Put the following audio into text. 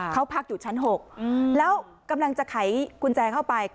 เขาพักอยู่ชั้น๖แล้วกำลังจะไขกุญแจเข้าไป